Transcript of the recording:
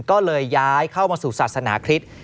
ก็เลยย้ายเข้ามาสู่ศาสนาคริสต์